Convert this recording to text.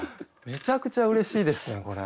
めちゃくちゃうれしいですねこれ。